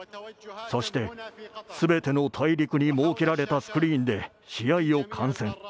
そして、すべての大陸に設けられたスクリーンで試合を観戦。